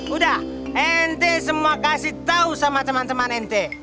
udah ente semua kasih tau sama teman teman ente